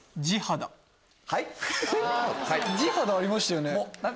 「じはだ」ありましたよね。